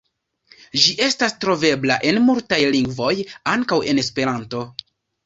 Ĝi estas trovebla en multaj lingvoj, ankaŭ en Esperanto.